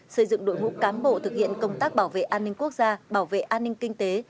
xây dựng đội ngũ cán bộ thực hiện công tác bảo vệ an ninh quốc gia bảo vệ an ninh kinh tế